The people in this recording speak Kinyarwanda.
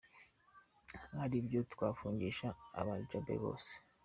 Ari ibyo twafungisha aba Dj bose.